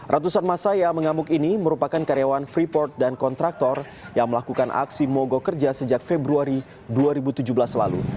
ratusan masa yang mengamuk ini merupakan karyawan freeport dan kontraktor yang melakukan aksi mogok kerja sejak februari dua ribu tujuh belas lalu